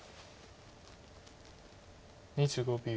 ２５秒。